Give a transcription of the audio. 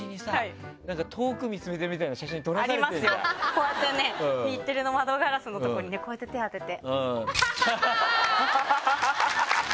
こうやってね日テレの窓ガラスのとこにねこうやって手当てて。